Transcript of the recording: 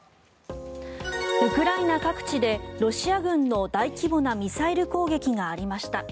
ウクライナ各地でロシア軍の大規模なミサイル攻撃がありました。